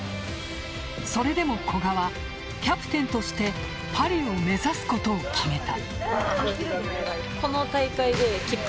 それでも古賀はキャプテンとしてパリを目指すことを決めた。